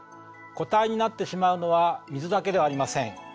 固体になってしまうのは水だけではありません。